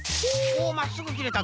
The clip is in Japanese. おおまっすぐきれた。